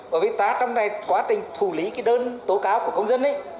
bởi vì trong này quá trình thủ lý cái đơn tố cáo của công dân ấy